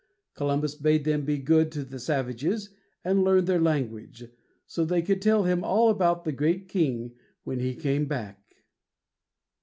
Columbus bade them be good to the savages, and learn their language, so they could tell him all about the great king when he came back.